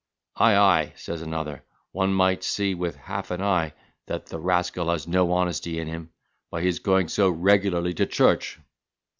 —"Ay, ay," says another, "one might see with half an eye that the rascal has no honesty in him, by his going so regularly to church."